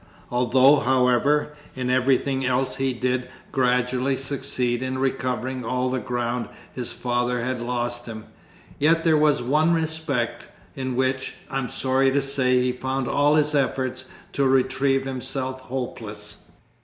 Although, however, in everything else he did gradually succeed in recovering all the ground his father had lost him, yet there was one respect in which, I am sorry to say, he found all his efforts to retrieve himself hopeless.